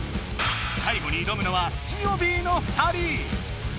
最後に挑むのはジオビーの２人！